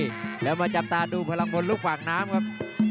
เดี๋ยวมาจับตาดูพลังพลลูกฝั่งน้ำครับ